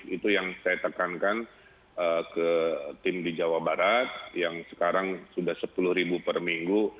itu yang saya tekankan ke tim di jawa barat yang sekarang sudah sepuluh ribu per minggu